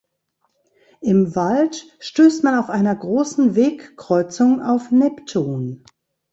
Im Wald stößt man auf einer großen Wegkreuzung auf Neptun.